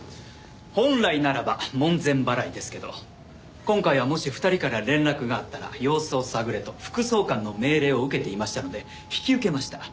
本来ならば門前払いですけど今回はもし２人から連絡があったら様子を探れと副総監の命令を受けていましたので引き受けました。